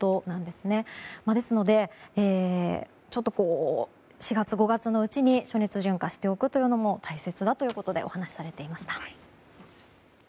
ですので、４月５月のうちに暑熱順化しておくというのも大切だということでお話をされていました。